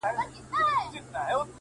شمعي ته څه مه وایه-!